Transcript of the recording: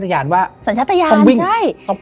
และยินดีต้อนรับทุกท่านเข้าสู่เดือนพฤษภาคมครับ